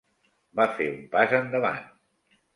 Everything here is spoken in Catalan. Va fer un pas endavant.